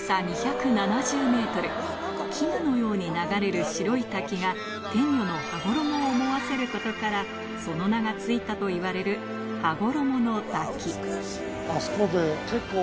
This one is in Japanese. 絹のように流れる白い滝が天女の羽衣を思わせることからその名が付いたといわれる羽衣の滝あそこで。